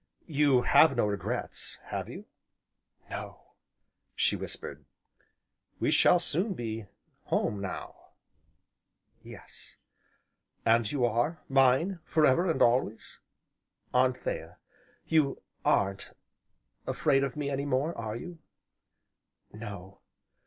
"You have no regrets, have you?" "No," she whispered. "We shall soon be home, now!" "Yes." "And are you mine for ever, and always? Anthea, you aren't afraid of me any more, are you?" "No."